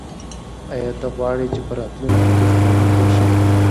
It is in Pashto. آیا ته غواړې چې په راتلونکي کې ښوونکی شې؟